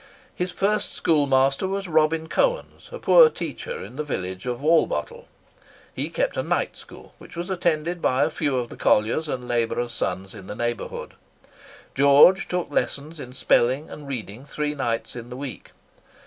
His first schoolmaster was Robin Cowens, a poor teacher in the village of Walbottle. He kept a night school, which was attended by a few of the colliers and labourers' sons in the neighbourhood. George took lessons in spelling and reading three nights in the week.